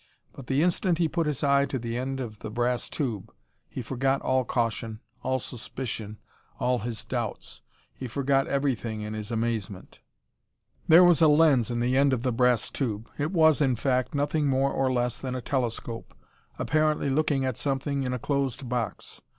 But the instant he put his eye to the end of the brass tube he forgot all caution, all suspicion, all his doubts. He forgot everything in his amazement. There was a lens in the end of the brass tube. It was, in fact, nothing more or less than a telescope, apparently looking at something in a closed box.